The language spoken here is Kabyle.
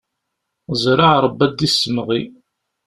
Zreɛ Ṛebbi ad d-issemɣi!